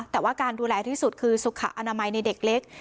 แต่ว่าการดูแลที่สุดคือสุขอนามัยในเด็กเล็ก